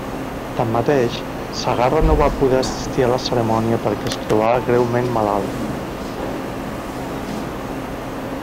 Tanmateix, Segarra no va poder assistir a la cerimònia perquè es trobava greument malalt.